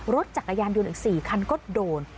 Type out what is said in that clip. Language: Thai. รถจักรยานยนต์อีก๔คันก็โดน